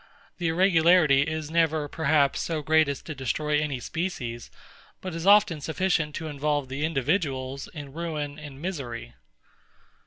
The irregularity is never perhaps so great as to destroy any species; but is often sufficient to involve the individuals in ruin and misery.